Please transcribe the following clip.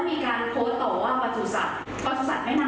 หมามันพูดไม่ได้งั้นหนูขอพูดแทน